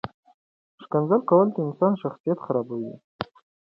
ښکنځل کول د انسان شخصیت خرابوي.